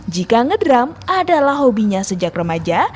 jika ngedrum adalah hobinya sejak remaja